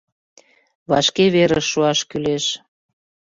Вашке верыш шуаш кӱлеш..."